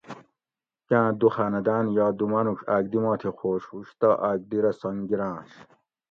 کاں دو خاندان یا دو مانوڄ اکدی ما تھی خوش ہوشتہ اکدی رہ سنگ گِراۤنش